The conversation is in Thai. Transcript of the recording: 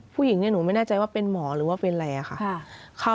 ผู้หญิงหนูไม่แน่ใจว่าเป็นหมอหรือว่าเป็นอะไรค่ะ